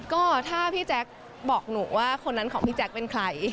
ก็ถ้าพี่แจ๊คบอกหนูว่าคนนั้นของพี่แจ๊คเป็นใคร